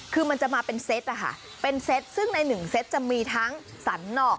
คือมันจะมาเป็นเซตนะคะเป็นเซตซึ่งในหนึ่งเซตจะมีทั้งสันนอก